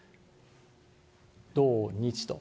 土、日と。